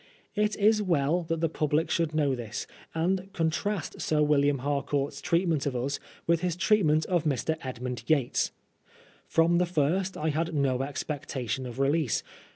It is well that the public should know this, and contrast Sir William Harcourt's treatment of us with his treatment of Mr. Edmund Yates. From the first I had no expectation of release.